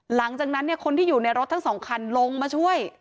หลังจากนั้นคนที่อยู่ในรถทั้งสองคันลงมาช่วย